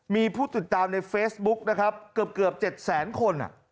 มีผู้ติดตามในเฟซบุ๊กนะครับเกือบ๗แสนคน